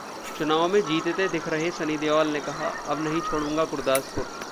चुनाव में जीतते दिख रहे सनी देओल ने कहा - अब नहीं छोडूंगा गुरदासपुर